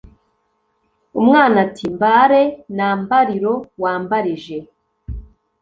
Umwana ati «mbare na mbariro wambarije,